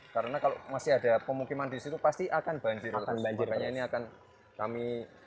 karena kalau masih ada pemukiman disitu pasti akan banjir akan banjir makanya ini akan kami